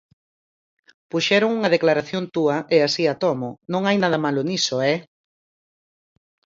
Puxeron unha declaración túa e así a tomo, non hai nada malo niso, ¡eh!